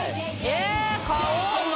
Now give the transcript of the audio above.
え！